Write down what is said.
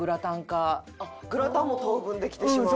グラタンも等分できてしまう？